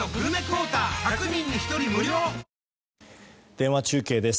電話中継です。